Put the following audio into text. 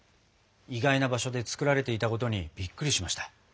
意外な場所で作られていたことにびっくりしました。